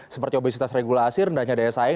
seperti obesitas regulasi rendahnya daya saing